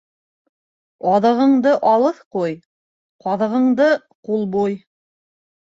Аҙығыңды алыҫ ҡуй, ҡаҙығыңды ҡулбуй.